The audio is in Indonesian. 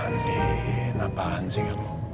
banding apaan sih kamu